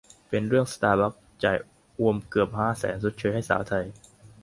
เป็นเรื่อง สตาร์บัคส์ จ่ายอ่วมเกือบ ห้า แสน ชดเชยให้สาวไทย